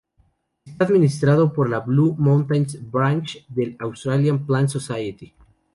Está administrado por la "Blue Mountains Branch" del Australian Plants Society.